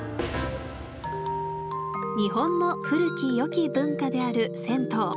日本の古き良き文化である銭湯。